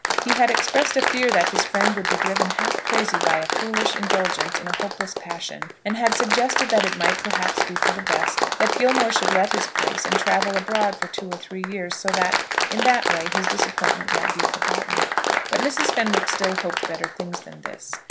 He had expressed a fear that his friend would be driven half crazy by a foolish indulgence in a hopeless passion, and had suggested that it might perhaps be for the best that Gilmore should let his place and travel abroad for two or three years, so that, in that way, his disappointment might be forgotten. But Mrs. Fenwick still hoped better things than this.